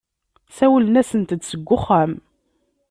Sawlen-asent-d seg wexxam.